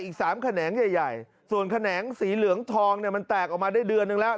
อีก๓แขนงใหญ่ส่วนแขนงสีเหลืองทองเนี่ยมันแตกออกมาได้เดือนนึงแล้ว